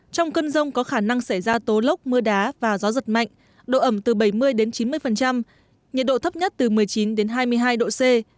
trong cơn rông có khả năng xảy ra tố lốc mưa đá và gió giật mạnh độ ẩm từ bảy mươi đến chín mươi nhiệt độ thấp nhất từ một mươi chín hai mươi hai độ c